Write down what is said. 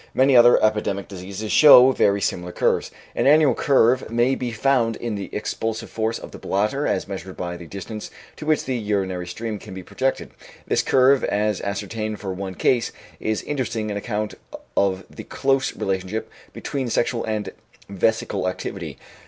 Many other epidemic diseases show very similar curves. An annual curve may be found in the expulsive force of the bladder as measured by the distance to which the urinary stream can be projected. This curve, as ascertained for one case, is interesting on account of the close relationship between sexual and vesical activity.